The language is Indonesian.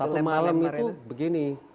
satu malam itu begini